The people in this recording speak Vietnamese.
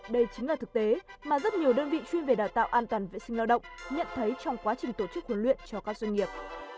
đây chính là thực tế mà rất nhiều đơn vị chuyên về đào tạo an toàn vệ sinh lao động nhận thấy trong quá trình tổ chức huấn luyện cho các doanh nghiệp